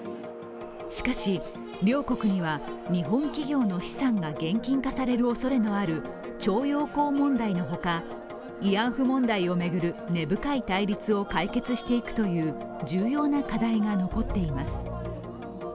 しかし、両国には日本企業の資産が現金化されるおそれのある徴用工問題のほか慰安婦問題を巡る根深い対立を解決していくという重要な課題が残っています。